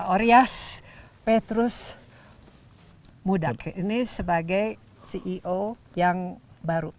orias petrus mudake ini sebagai ceo yang baru